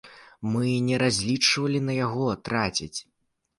Мы не разлічвалі на яго траціць.